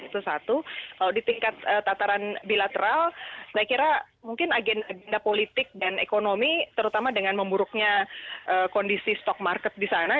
itu satu kalau di tingkat tataran bilateral saya kira mungkin agenda politik dan ekonomi terutama dengan memburuknya kondisi stock market di sana